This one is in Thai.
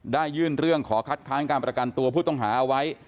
ยื่นเรื่องขอคัดค้านการประกันตัวผู้ต้องหาเอาไว้